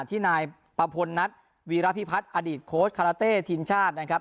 ที่นายประพลนัทวีรพิพัฒน์อดีตโค้ชคาราเต้ทีมชาตินะครับ